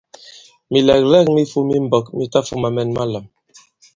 Mìlɛ̀glɛ᷇k mi fōm i mbōk mi tafūma mɛn malām.